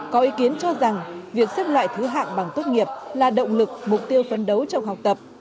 có ý kiến cho rằng việc xếp loại thứ hạng bằng tốt nghiệp là động lực mục tiêu phấn đấu trong học tập